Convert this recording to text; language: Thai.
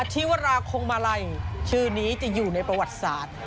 ธิวราคงมาลัยชื่อนี้จะอยู่ในประวัติศาสตร์